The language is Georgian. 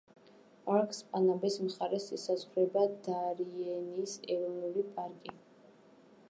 პარკს პანამის მხარეს ესაზღვრება დარიენის ეროვნული პარკი.